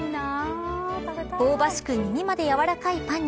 香ばしく、耳まで柔らかいパンに